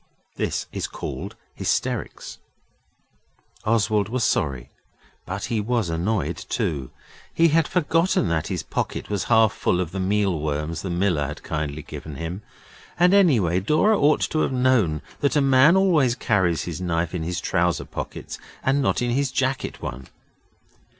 This is called hysterics. Oswald was sorry, but he was annoyed too. He had forgotten that his pocket was half full of the meal worms the miller had kindly given him. And, anyway, Dora ought to have known that a man always carries his knife in his trousers pocket and not in his jacket one.